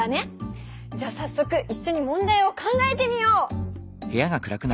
じゃあさっそくいっしょに問題を考えてみよう！